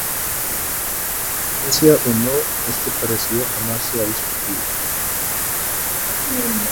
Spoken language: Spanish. Coincidencia o no, este parecido jamás se ha discutido.